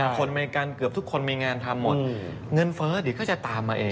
อเมริกันเกือบทุกคนมีงานทำหมดเงินเฟ้อเดี๋ยวก็จะตามมาเอง